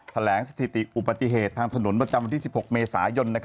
แถลงสถิติอุบัติเหตุทางถนนประจำวันที่๑๖เมษายน